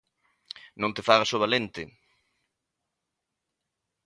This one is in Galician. Non te fagas o valente